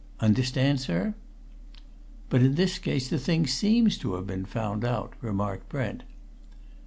Understand, sir?" "But in this case the thing seems to have been found out," remarked Brent.